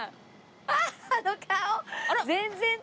あの顔！